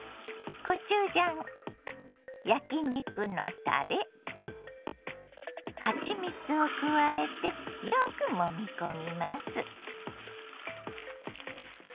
コチュジャン焼き肉のたれはちみつを加えてよくもみ込みます。